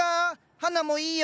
花もいいよ。